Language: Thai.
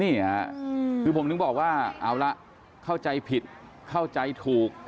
นี่ค่ะคือผมถึงบอกว่าเอาละเข้าใจผิดเข้าใจถูก